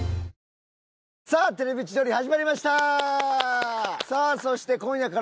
さあ『テレビ千鳥』始まりました！